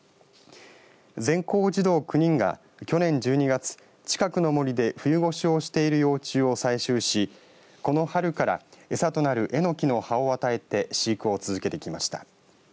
全校児童９人が去年１２月近くの森で冬越しをしている幼虫を採集しこの春から、エサとなるエノキの葉を与えて飼育を続けてきました。